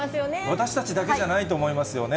私たちだけじゃないと思いますよね。